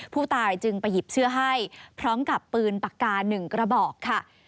ผู้ตายจึงไปหยิบเสื้อให้พร้อมกับปืนปากกา๑กระบอกค่ะ